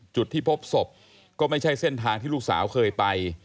จุดที่พบศพก็ไม่ใช่เส้นทางที่ลูกสาวเคยไป